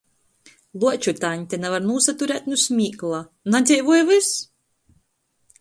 Luoču taņte navar nūsaturēt nu smīkla: Nadzeivoj vys!